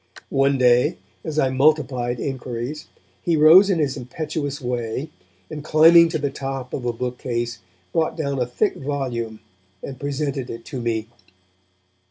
One day, as I multiplied inquiries, he rose in his impetuous way, and climbing to the top of a bookcase, brought down a thick volume and presented it to me.